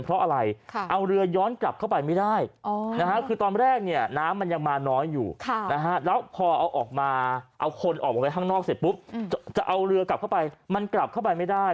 จะเอาเรือกลับเข้าไปมันกลับเข้าไปไม่ได้